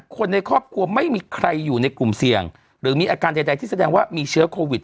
คนในครอบครัวไม่มีใครอยู่ในกลุ่มเสี่ยงหรือมีอาการใดที่แสดงว่ามีเชื้อโควิด